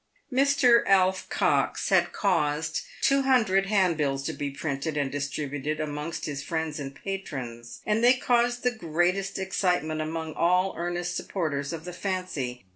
Mr. Alf Cox had caused two hundred handbills to be printed and distributed amongst his friends and patrons, and they caused the greatest excitement among all earnest supporters of the fancy.